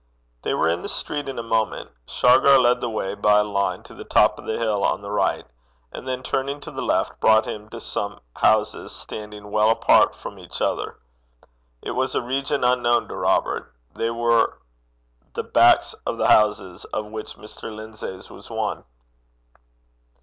They were in the street in a moment. Shargar led the way by a country lane to the top of the hill on the right, and then turning to the left, brought him to some houses standing well apart from each other. It was a region unknown to Robert. They were the backs of the houses of which Mr. Lindsay's was one.